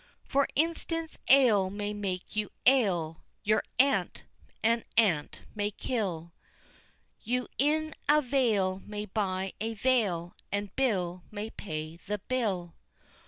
For instance, ale may make you ail, your aunt an ant may kill, You in a vale may buy a veil and Bill may pay the bill.